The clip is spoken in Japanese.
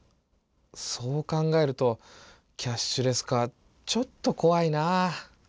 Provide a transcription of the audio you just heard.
そう考えるとキャッシュレス化ちょっとこわいなぁ。